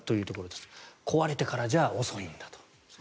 壊れてからでは遅いんだと。